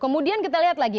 kemudian kita lihat lagi